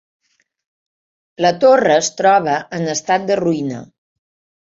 La torre es troba en estat de ruïna.